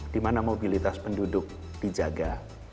di mana mobilitas penduduk dijaga